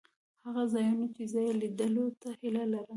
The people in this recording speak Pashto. هغه ځایونه چې زه یې لیدلو ته هیله لرم.